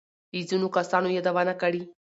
له ځینو کسانو يادونه کړې.